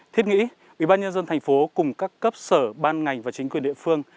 thiết nghĩ ủy ban nhân dân thành phố cùng các cấp sở ban ngành và chính quyền địa phương